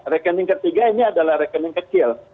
rekening ketiga ini adalah rekening kecil